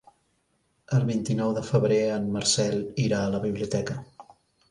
El vint-i-nou de febrer en Marcel irà a la biblioteca.